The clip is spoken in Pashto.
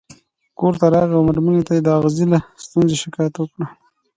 کور ته راغی او مېرمنې ته یې د اغزي له ستونزې شکایت وکړ.